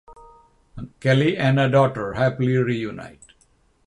Kelli and her daughter happily reunite.